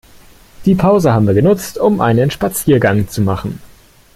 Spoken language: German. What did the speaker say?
Die Pause haben wir genutzt, um einen Spaziergang zu machen.